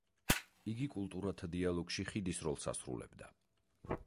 იგი კულტურათა დიალოგში ხიდის როლს ასრულებდა.